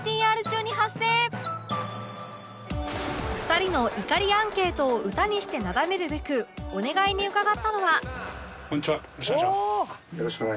２人の怒りアンケートを歌にしてなだめるべくお願いに伺ったのは。